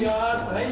はい。